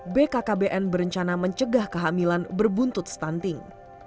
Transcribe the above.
bkkbn berencana mencegah kehamilan berbuntut stunting